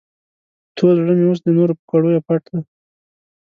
تور زړه مې اوس د نور په کړیو پټ دی.